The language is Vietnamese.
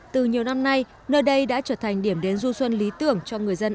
từ nhiều năm nay nơi đây đã trở thành điểm đến du xuân lý tưởng cho người dân